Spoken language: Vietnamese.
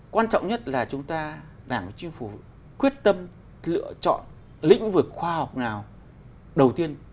quan trọng nhất là chúng ta đảng và chính phủ quyết tâm lựa chọn lĩnh vực khoa học nào đầu tiên